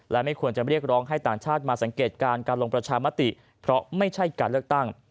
และไม่ควรจะเรียกร้องให้ต่างชาติมาสังเกตการณ์การลงประชามติเพราะไม่ใช่การเลือกตั้ง